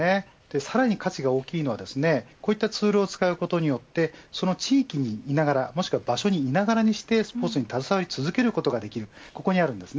さらに価値があるのはこういったツールを使うことによってその地域の居ながらも施行場所に居ながらにしてスポーツに携わり続けることができます。